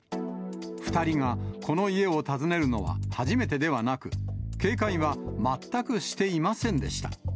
２人がこの家を訪ねるのは初めてではなく、警戒は全くしていませんでした。